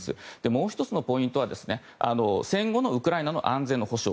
もう１つのポイントは戦後のウクライナの安全の保障